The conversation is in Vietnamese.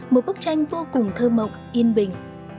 một bức tranh vô cùng thơ mộng yên bình